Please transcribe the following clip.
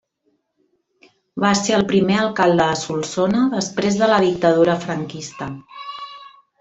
Va ser el primer alcalde de Solsona després de la Dictadura franquista.